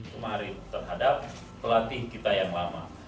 kemarin terhadap pelatih kita yang lama